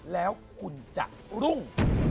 แล้วคุณจะรุ่ง